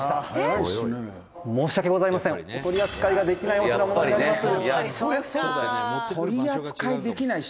お取り扱いができないお品物になります」